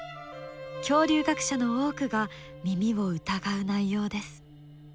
恐竜学者の多くが耳を疑う内容です。